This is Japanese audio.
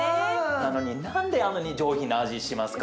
なのに何であんなに上品な味しますか？